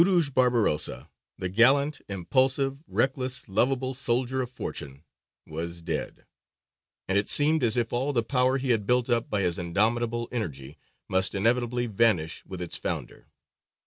Urūj Barbarossa, the gallant, impulsive, reckless, lovable soldier of fortune was dead, and it seemed as if all the power he had built up by his indomitable energy must inevitably vanish with its founder.